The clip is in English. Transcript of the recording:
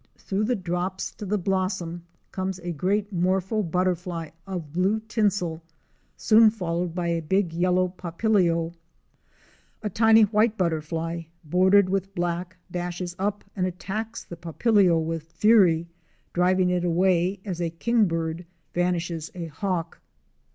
Through the drops to the blossom comes a great morpho butterfly of blue tinsel, soon followed by a big yellow papilio. Fic. 86. A JUNGLE BLossom. A tiny white butterfly, bordered with black, dashes up and attacks the papilio with fury, driving it away, as a Kingbird vanquishes a Hawk.